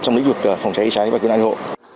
trong lĩnh vực phòng cháy cháy và cứu nạn hộ